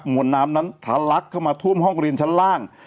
วนน้ำนั้นทะลักเข้ามาท่วมห้องเรียนชั้นล่าง